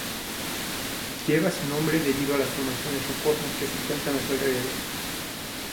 Lleva su nombre debido a las formaciones rocosas que se encuentran a su alrededor.